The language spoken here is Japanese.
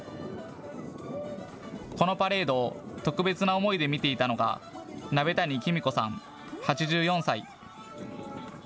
このパレードを特別な思いで見ていたのが鍋谷公子さん、８４歳。